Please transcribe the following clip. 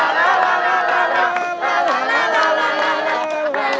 terima kasih ya samuel